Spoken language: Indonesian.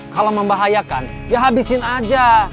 kalau membahayakan ya habisin aja